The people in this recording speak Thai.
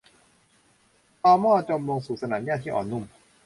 ตอม่อจมลงสู่สนามหญ้าที่อ่อนนุ่ม